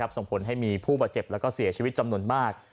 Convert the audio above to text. ส่งผลให้มีผู้บาดเจ็บและเสียชีวิตจำนวนมาก